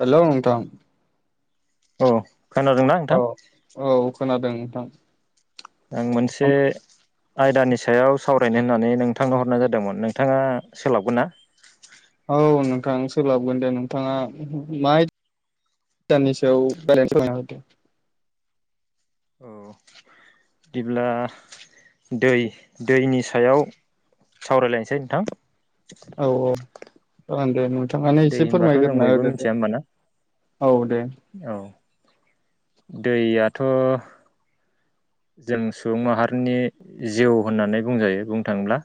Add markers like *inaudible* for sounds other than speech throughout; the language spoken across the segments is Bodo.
हेल' नोंथां औ खोनादोंना औ नोंथां? औ खोनादों नोंथां। आं मोनसे आयदानि सायाव सावरायनो होननानै नोंथांनो हरनाय जादोंमोन नोंथाङा सोलाबगोन ना? औ नोंथां सोलाबगोन दे नोंथाङा माय दाननि सायाव रायलाइ नोसै नामा *unintelligible* औ बिदिब्ला दै दैनि सायाव सावरायलायनोसै नोंथां। औ औ जागोन दे नोंथाङानो दै एसे होनबाथ' जों फोरमायग्रोना बयबो होदो मिथिया दे। होमबाना औ दे। दैयाथ' जों सुबुं माहारिनि जिउ होननानै बुंजायो बुंनो थाङोब्ला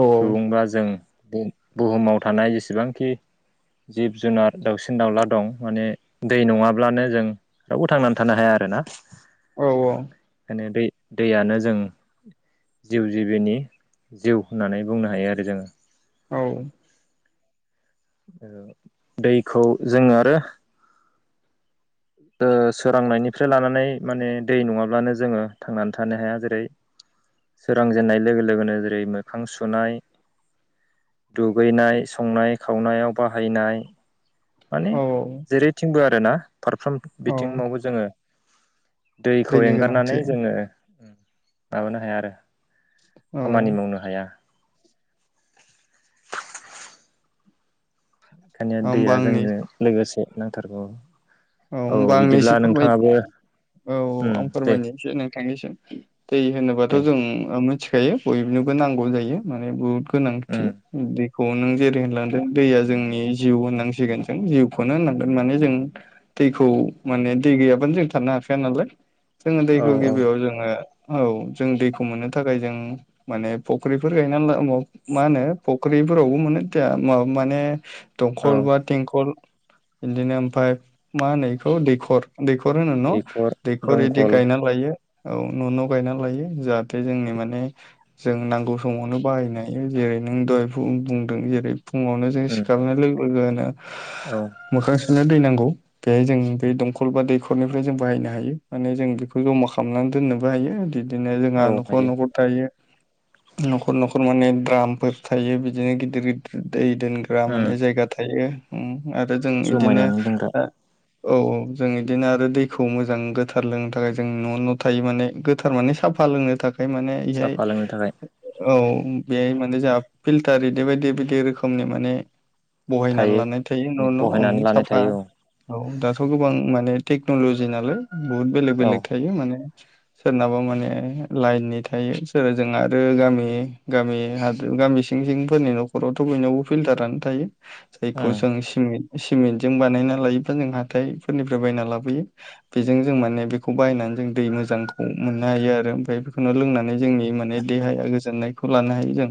औ सुबुंबा जों बुहुमाव थानाय जेसेबांखि जिब जुनार दाउसिन दाउला दं माने दै नङाब्लानो जों रावबो थांनानै थानो हाया आरो। मिथिबायना? औ औ। नैबे दैयानो जों जिउ जिबिनि जिउ होननानै बुंनो हायो आरो जोङो। औ। दैखौ जों आरो ओ सोरांनायनिफ्राय लानानै माने दै नङाब्लानो जोङो थांनानै थानो हाया जेरै सोरां जेननाय लोगो लोगोनो जेरै मोखां सुनाय दुगैनाय संनाय खावनायाव बाहायनाय माने औ जेरैथिंबो आरोना फारफ्रोम औ बिथिंमावबो जोङो दैखौ दैनि एंगारनानै गोनांथि जोङो माबानो हाया आरो औ खामानि मावनो हाया। ओंखायनो होमबा दैया आंनि जोंनो लोगोसे नांथारगौ औ होनबा आंनो बिदिब्ला एसे फोरमायनि नोंथाङाबो औ उम आं दे फोरमायनो एसै नों थांनिसिम। दै होनोबाथ' दे जों मिथिखायो बयनोबो नांगौ जायो माने बुहुद गोनांथि उम। दैखौ नों जेरै होनलां दों दैया जोंनि जिउ होननांसिगोन जों जिउखौनो होननांगोन माने जों दैखौ माने दै गैयाबानो जों थानो हाखाया नालाय जोङो औ दैखौ गिबियाव जोङो औ जों दैखौ मोननो थाखाय जों माने फख्रिफोर गायनानै ला मा होनो फख्रि बेफोरावबो मोनो *unintelligible* माने दंखल औ बा थेंखल बिदिनो ओमफ्राय मा होनो बेखौ दैखर। दैखर होनो न' दैखर दैखर इदि दंखल गायना लायो। औ न' न' गायना लायो जाहाथे जोंनि माने जों नांगौ समावनो बाहायनो हायो जेरै बे नों दहाय बुं बुंदों जेरै फुङावनो जों उम सिखारनाय लोगो लोगोनो औ। *unintelligible* दै नांगौ। बेहाय जों बे दंखल बा दैखरनिफ्राय जों बाहायनो हायो माने जों बेखौ जमा खालामनानै दोननोबो हायो इदि। बिदिनो जोंहा औ न'खर हायो न'खर थायो। न'खर न'खर माने द्रामफोर थायो बिदिनो गिदिर गिदिर। दै दोनग्रा माने उम जायगा थायो ओम आरो जों बिदिनो जमायनानै दोनग्रा औ औ जों बिदिनो आरो दैखौ मोजां गोथार लोंनो थाखाय जों न' न' थायो माने गोथार माने साफा लोंनो थाखाय माने इहाय साफा लोंनो थाखाय औ बेहाय माने जोंहा फिल्टार ईदि बायदि बायदि रोखोमनि माने। बहायनानै थायो लानाय थायो न' न' ओं बहायनानै लानाय साफा। थायो औ औ दाथ' गोबां माने टेक्न'लजि नालाय बुहुत बेलेग औ बेलेग थायो माने सोरनाबा माने लाइननि थायो सोर जों आरो गामि गामि हाजो गामि सिं सिंफोरनि न'खरावथ' बयनावबो फिल्टारानो थायो। जायखौ उम जों सिमेन्ट सिमेन्ट जों बानायना लायो। दा जों हाथाइफोरनिफ्राय बायना लाबोयो बेजों जों माने बेखौ बायनानै जों दै मोजांखौ मोननो हायो आरो आमफ्राय बेखौनो लोंनानै जोंनि माने देहाया गोजोननायखौ लानो हायो जों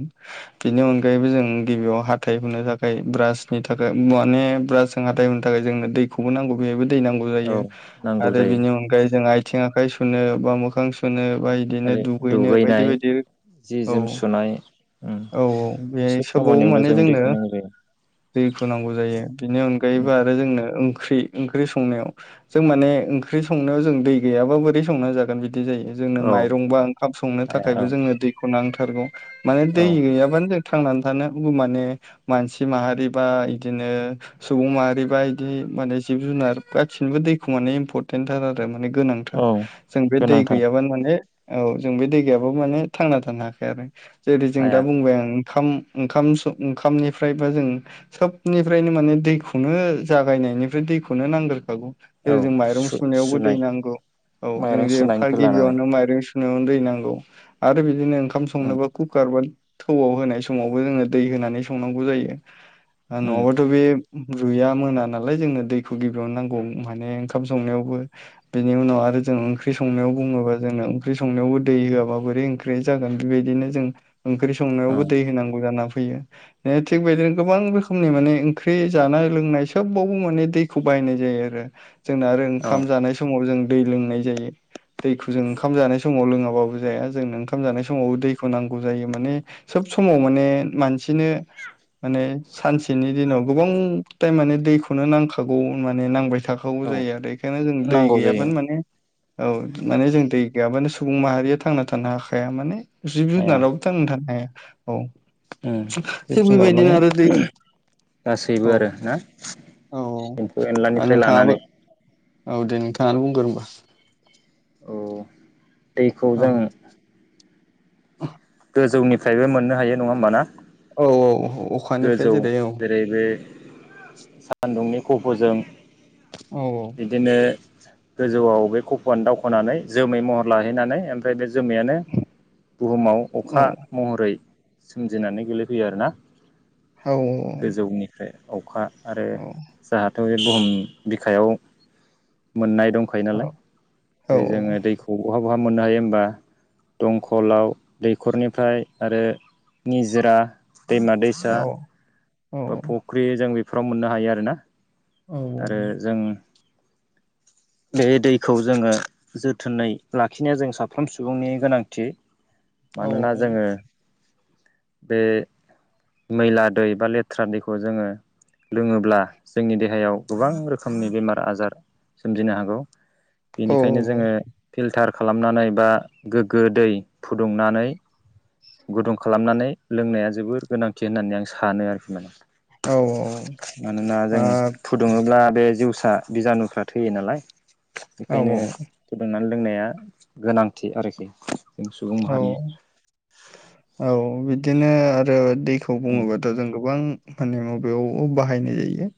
बेनि अनायै जों गिबियाव हाथाय हुनो थाखाय ब्रासनि थाखाय माने ब्रास जों हाथाय हुनो थाखाय जोंनो दै खौबो नांगौ बेहायबो दै नांगौ जायो औ नांगौ आरो जायो बेनि अनगायै जों आथिं आखाइ सुनो बा मोखां सु नो बा इदिनो ओरै दुगैनो बायदि दुगैनाय बायदि जि औ जोम सुनाय उम औ औ बे सोब सोबाव खामानियावनो माने जों जोंनो दैखौ नांगौ जायो दैखौ नांगौ जायो बिनि अनगायैबो आरो जोंनो। ओंख्रि ओंख्रि संनायाव जों माने ओंख्रि संनायाव जों दै गैयाबा बोरै संना जागोन बि बिदि जायो जोंनो औ माइरंबा ओंखाम संनो हाया औ थाखायबो जोंनो दैखौ नांथारगौ। माने औ दै गैयाबानो जों थांनानै थानो माने मानसि माहारि बा इदिनो सुबुं माहारिबा इदि माने जिब जुनार गासिनिबो दैखौ माने इम्परटेन्टथार आरो माने गोनांथार औ जों बे दै गोनांथार गैयाबानो माने औ जों बे दै गैयाबाबो माने थांना थानो हाखाया आरो जेरै जों हाया दा बुंबाय आं। ओंखाम ओंखाम ओंखामनिफ्रायबा जों सोबनिफ्रायनो माने दैखौनो जागायनायनि फ्राय दैखौनो नांगोरखागौ। जेरै औ जों माइरं सुनायावबो दै सु-सुनाय नांगौ औ जों माइरं जेफा सुनायनिफ्राय लानानै गिबियावनो माइरं सु दै नांगौ आरो बिदिनो ओंखाम उम संनोबो कुकारबो थौआव होनाय समावबो जोङो दै होनानै संनांगौ जायो उम नङाबाथ' बे रुइया मोना नालाय जोंनो दैखौ गिबियावनो नांगौ माने ओंखाम संनायावबो बेनि उनाव आरो जों ओंख्रि संनायाव बुङोबा जों। जोंना ओंख्रि संनायावबो दै होआबा बोरै ओंख्रिया जागोन बेबायदिनो जों ओंख्रि औ संनायावबो दै होनांगौ जाना फै फैयो थिग बेदिनो गोबां रोखोमनि माने ओंख्रि जानाय लोंनाय सबावबो माने दै खौ बायनाय जायो आरो जोंना आरो औ ओंखाम जानाय समाव जों दै लोंनाय जायो। दैखौ जों ओंखाम जानाय समाव लोङाबाबो जाया जोंनो ओंखाम जानाय समावबो दैखौ नांगौ जायो माने सोब समाव माने मानसिनो माने सानसे नि दिनाव गोबां टाइम माने दैखौनो नांखागौ माने नांबाय। थाखागौ औ जायो आरो बेखायनो जों दै नांगौ जायो गैयाबानो माने औ माने जों दै गैयाबानो सुबुं माहारिया थांना थानो हाखाया माने जिब हाया जुनारावबो थांना थाखाया औ उम थिग जोबसिनबार बेबायदिनो माने आरो दैखौ गासैबो औ आरो ना औ एम्फौ औ एनलानिफ्राय नोंथाङाबो लानानै औ दे नोंथाङानो बुंगोर होनबा औ दैखौ जों अ गोजौनिफ्रायबो मोननो हायो नङा होमबा ना? औ औ अखानिफ्राय गोजौ औ जेरै बे सान्दुंनि खफ'जों औ बिदिनो गोजौआव बे खफ'आनो दावखोनानै जोमै महर लाहैनानै ओमफ्राय बे जोमैयानो बुहुमाव औ अखा महरै सोमजिनानै गेलेफैयो आरोना औ गोजौनिफ्राय अखा आरो औ जोहाथ' बे बुहुम बिखायाव मोननाय दंखायो औ नालाय। औ जेरै जोङो दैखौ बहा बहा मोननो हायो होमबा। दंखलाव दैखरनिफ्राय आरो निजिरा- दैमा दैसा बा औ फख्रि जों बेफोराव मोननो हायो आरो ना। औ आरो जों बे दैखौ जोङो जोथोनै लाखिनाया जों साफ्रोम सुबुंनि गोनांथि। मानोना जोङो बे मैला दै बा लेथ्रा दैखौ जोङो लोङोब्ला जोंनि देहायाव गोबां रोखोमनि बेमार आजार सोमजिनो हागौ बेनिखायनो जोङो फिल्टार खालामनानै बा गोग्गो दै फुदुंनानै गुदुं खालामनानै लोंनाया जोबोर गोनांथि होननानै आं सानो आरोखि माने औ मानोना जों औ फुदुङोब्ला बे जिउसा बिजानुफ्रा थैयो नालाय। औ बेखायनो गोदनानै लोंनाया गोनांथि आरोखि। जों सुबुं औ माहारिनि औ बि दिनो आरो दैखौ बुङोबाथ जों गोबां माने मबेयाव बाहायनाय जायो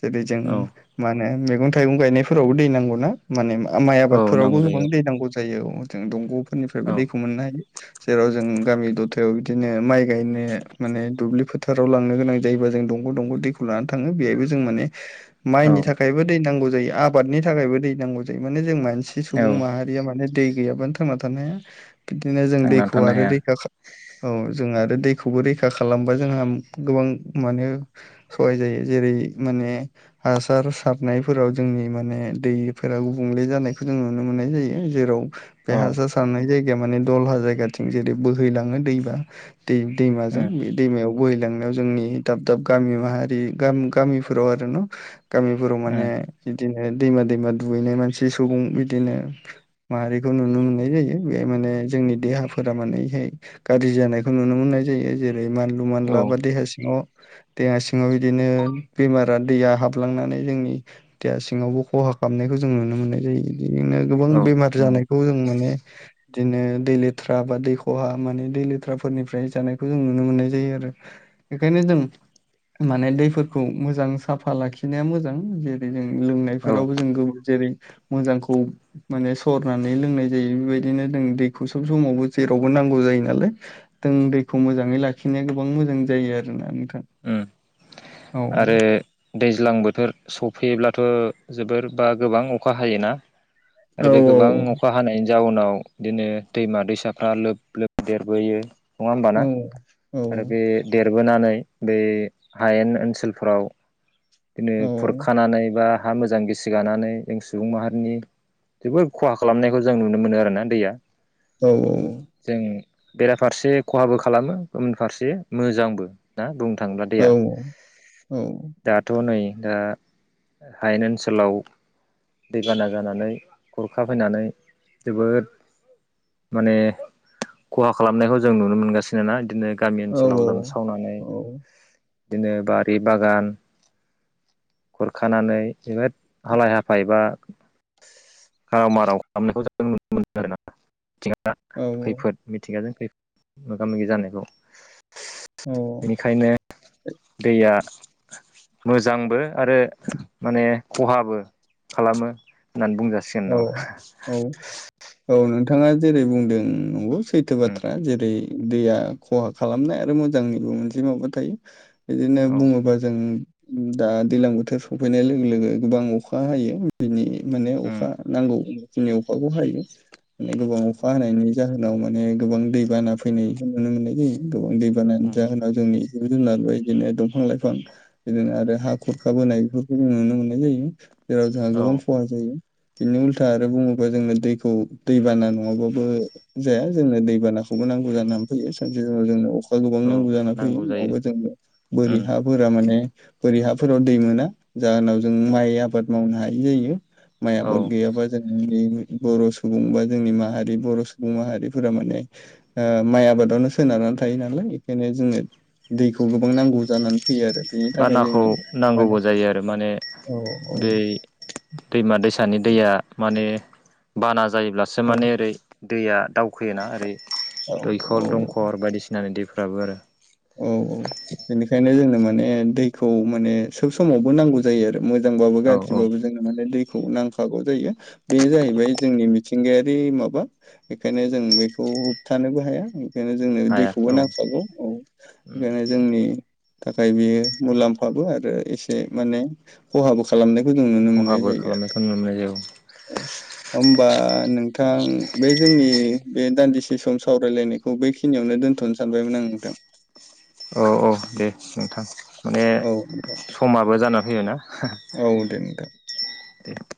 जेरै जों उम औ मा होनो मैगं-थाइगं गायनायफोरावबो दै नांगौना माने मा माइ औ आबादफोरावबो नांगौ गोबां जायो दै नांगौ जायो औ दंगफोरनिफ्रायबो दै जेराव जों गामि दथायाव बिदिनो माइ गायनो माने दुब्लि फोथाराव लांनो गोनां जायो जों दंग दंग दैखौ लानानै थाङो। बेवहायबो जों माने औ माइनि थाखायबो दै नांगौ जायो आबादनि थाखायबो दै नांगौ जायो माने जों माइ मोनसे औ सुबुं माहारिया माने दै गैयाबानो थांना थानाया बिदिनो जों थांनानै दैखौ थानो आरो हाया रैखा खालामो औ जों आरो दा दैखौबो रैखा खालामबा जोंहा गोबां माने सहाय जायो जेरै माने हासार सारनायफोराव जोंनि माने दैफोरा गुबुंले जानायखौ जों नुनो मोननाय जायो। जेराव बे औ हासार सारनाय जायगाया माने दलहा जायगाथिं जेरै बोहैलाङो दैबा दै दैमाजों उम बे दैमायाव बोहैलांनायाव जोंनि दाब दाब गामि माहारि गामिफोराव आरो ना। गामिफोराव उम माने बिदिनो दैमा दैमा दुगैनाय मानसि सुबुं बिदिनो माहारिखौ नुनो मोननाय जायो। बे माने जोंनि देहाफोरा मानेहाय गाज्रि जानायखौ नुनो मोननाय जायो। जेरै रै मानलुुमान औ लाबा देहा सिङाव देहा सिङाव बिदिनो बेमारा दैया हाबलांनानै जोंनि देहा सिङावबो खहा खालामनायखौ जों नुनो मोननाय जायो। बिदिनो गोबां औ बेमार नंगौ जानायखौ जों माने बिदिनो दै लेथ्रा बा दै खहा माने दै लेथ्राफोरनिफ्राय जानायखौ जों नुनो मोननाय जायो आरो। बेखायनो जों माने दैफोरखौ मोजां साफा लाखिनाया मोजां। जेरै जों औ लोंनायफोरावबो जों जेरै मोजांखौ माने सरनानै लोंनाय जायो बेबायदि बिदिनो जों दैखौ सब समावबो जेरावबो नांगौ जायो नालाय। जों दैखौ मोजाङै लाखिनाया गोबां मोजां मोजां जायो आरोना नोंथां। उम औ आरो दैज्लां बोथोर सफैयोब्लाथ जोबोर बा गोबां अखा हायोना। औ आरो बे गोबां अखा हानायनि जाउनाव बिदिनो दैमा दैसाफ्रा लोब लोब देरबोयो। नङा होमबाना औ औ आरो बे देर देरबोनानै बे हायेन ओनसोलफ्राव बिदिनो खुरखानानै बा हा मोजां गिसि गानानै जों सुबुं माहारिनि जोबोद खहा खालामनायखौ जों नुनो मोनो आरो ना दैया। औ औ। जों बेराफारसे खहाबो खालामो गुबुन फारसे मोजांबो। ना नोंथां थांब्ला औ दैया? औ। हनै दा हायेन ओनसोलाव दैबाना जानानै खुरखा फैनानै जोबोद माने खहा खालामनायखौ जों नुनो मोनगासिनो ना इदिनो गामि औ औ ओनसोलाव लोमसावनानै बिदिनो बाद बे बागान खुरखानानै जोबोद हालाय हाफाय बा खाराव माराव खालामनायखौ जों नुनो मोनदों आरो ना। मिथिंगा खैफोद मिथिंगाजों खैफोद मोगा मोगि जानायखौ। औ बेनिखायनो दैया मोजांबो आरो माने खहाबो खालामो। होननानै बुंजासिगोन औ नामा औ औ नों नोंथाङा जेरै बुंदों नंगौ सैथो उम बाथ्रा। जेरै दैया खहा खालामनाय आरो मोजांनिबो मोनसे माबा थायो बिदिनो औ बुङोबा जों दा दैलां बोथोर सफैनाय लोगो लोगो गोबां अखा हायो बिनि माने उम अखा नांगौनि अखाखौ हाय माने गोबां अखा हानायनि जाहोनाव माने गोबां दै बाना फैनाय नुनो मोननाय जायो गोबां दै बानानि उम जाहोनाव जोंनि जिब जुनारबो बिदिनो दंफां लाइफां बिदिनो आरो हा खुरख बोनाय बेफोरखौ जों नुनो मोननाय जायो जेराव जोंहा औ गोबां खहा जायो बिनि उल्था आरो बुङोबा जोंनो दैखौ दैबाना नङाबाबो जाया जोंनो दैबाना खौबो नांगौ जानानै फैयो सानसे समाव जोंनो गोबां औ नांगौ जाना फैयो जायो *unintelligible* जों बोरि उम हाफोरा माने बोरि हाफोराव दै मोना जाहोनाव जों माइ आबाद मावनो हायि जायो माइ औ आबाद गैयाबा जों *unintelligible* बर' सुबुं बा जोंनि माहारि बर' सुबुं माहारिफोरा माने माइ ओ आबादावनो सोनारो थायो नालाय इखायनो जोंनो दैखौ गोबां नांगौ जानानै फैयो आरो बेनि थाखाय बानाखौ जोंनि माने नांगौबो जायो आरो माने औ दै दै औ दैमा दैसानि दैया माने बाना जायोब्लासो माने ओरै दैया दावखोयोना ओरै औ औ दैखर दंखर बायदिसिनानि दैफ्राबो आरो औ औ बेनिखायनो जोंनो माने दैखौ माने सोब समावबो नांगौ जायो आरो मोजांबाबो औ औ गाख्रिबाबो जोनो माने खौ नांखागौ जायो बे जाहैबाय जोंनि मिथिंगायारि माबा बेखायनो जों बेखौ खौ होबथानोबो हाया ओंखायनो जोंनो हाया दैखौबो औ नांखागौ औ उम ओंखायनो जोंनि थाखाय बियो मुलाम्फाबो आरो एसे माने खहाबो खालामनाय जों नुनो मोननाय खहाबो जायो आरो खालामनायखौ नुनो मोननाय जायो ओमबा नोंथां बे जोंनि बे दान्दिसे सम सावरायलायनायखौ बेखिनियावनो दोनथ'नो सानबायमोन आं नोंथां औ औ दे नोंथां माने औ नोंथां समाबो जाना फैयोना औ दे नोंथां दे